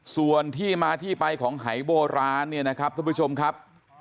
ส่วนที่มาที่ไปของหายโบราณเนี่ยนะครับทุกผู้ชมครับ